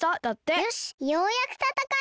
よしようやくたたかえる！